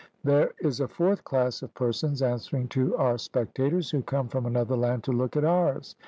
There is a fourth class of persons answering to our spectators, who come from another land to look at ours.